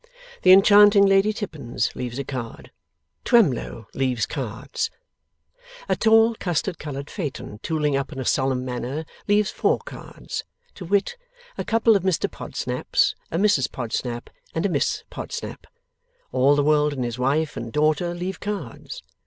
The enchanting Lady Tippins leaves a card. Twemlow leaves cards. A tall custard coloured phaeton tooling up in a solemn manner leaves four cards, to wit, a couple of Mr Podsnaps, a Mrs Podsnap, and a Miss Podsnap. All the world and his wife and daughter leave cards.